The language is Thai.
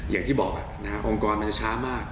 อย่างที่บอกองค์กรมันจะช้ามาก